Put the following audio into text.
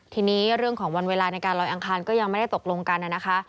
ทีนี้เรื่องของวันเวลาในการลอยอังคารก็ยังไม่ได้ตกลงกันนะคะ